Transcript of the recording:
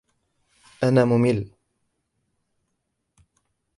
انا ممل.